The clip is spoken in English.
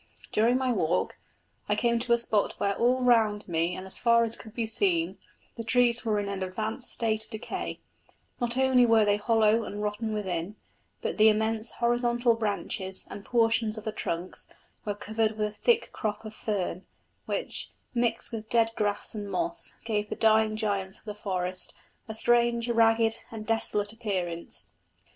During my walk I came to a spot where all round me and as far as could be seen the trees were in an advanced state of decay: not only were they hollow and rotten within, but the immense horizontal branches and portions of the trunks were covered with a thick crop of fern, which, mixed with dead grass and moss, gave the dying giants of the forest a strange, ragged and desolate appearance.